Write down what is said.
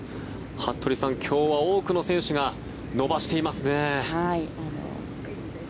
服部さん、今日は多くの選手が伸ばしていますね。